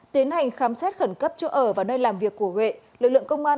tiến hành khám xét khẩn cấp chỗ ở và nơi làm việc của huệ lực lượng công an